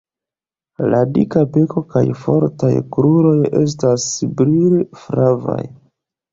La dika beko kaj fortaj kruroj estas brilflavaj.